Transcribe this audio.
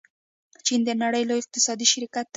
چین د نړۍ لوی اقتصادي شریک دی.